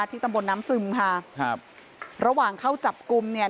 ตำบลน้ำซึมค่ะครับระหว่างเข้าจับกลุ่มเนี่ย